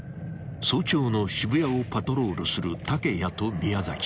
［早朝の渋谷をパトロールする竹谷と宮］